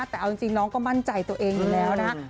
แต่เอาจริงน้องก็มั่นใจตัวเองอยู่แล้วนะ